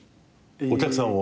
お客さんを。